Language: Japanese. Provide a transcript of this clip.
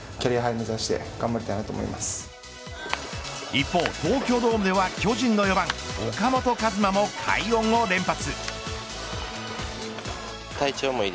一方、東京ドームでは巨人の４番岡本和真も快音を連発。